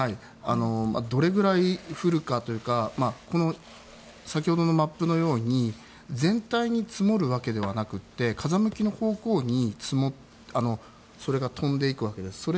どれぐらい降るかというか先ほどのマップのように全体に積もるわけではなくて風向きの方向にそれが飛んでいくわけです。